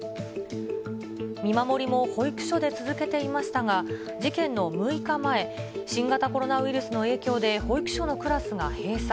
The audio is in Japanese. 見守りも保育所で続けていましたが、事件の６日前、新型コロナウイルスの影響で保育所のクラスが閉鎖。